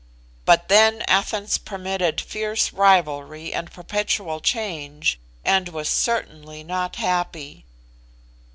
But then Athens permitted fierce rivalry and perpetual change, and was certainly not happy.